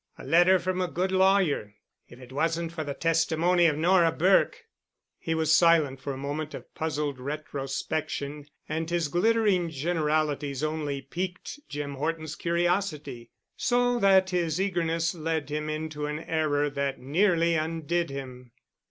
A letter from a good lawyer—if it wasn't for the testimony of Nora Burke!" He was silent in a moment of puzzled retrospection and his glittering generalities only piqued Jim Horton's curiosity, so that his eagerness led him into an error that nearly undid him.